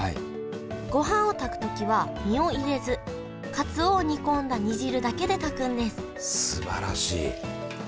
ごはんを炊く時は身を入れずかつおを煮込んだ煮汁だけで炊くんですすばらしい。